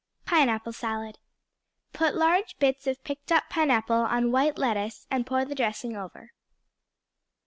Pineapple Salad Put large bits of picked up pineapple on white lettuce, and pour the dressing over.